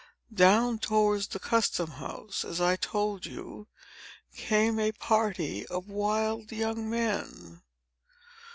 Down towards the custom house, as I told you, came a party of wild young men.